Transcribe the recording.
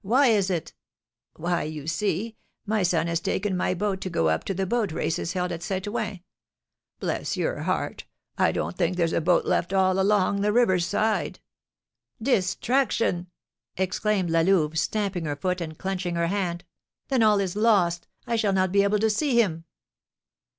Why is it?" "Why, you see, my son has taken my boat to go up to the boat races held at St. Ouen. Bless your heart, I don't think there's a boat left all along the river's side." "Distraction!" exclaimed La Louve, stamping her foot and clenching her hand. "Then all is lost; I shall not be able to see him!"